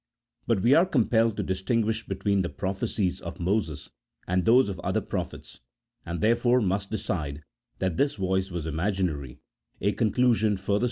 But we are compelled to distinguish between the prophecies of Moses and those of other prophets, and therefore must de cide that this voice was imaginary, a conclusion further 16 A THEOLOGICO POLITICAL TREATISE. [CHAP.